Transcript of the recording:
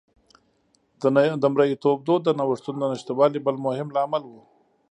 د مریتوب دود د نوښتونو د نشتوالي بل مهم لامل و